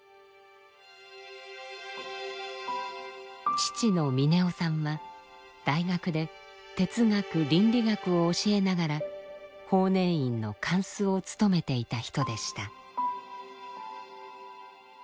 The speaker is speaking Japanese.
父の峰雄さんは大学で哲学倫理学を教えながら法然院の貫主をつとめていた人でした。